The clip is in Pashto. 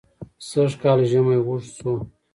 سژ کال ژمى وژد سو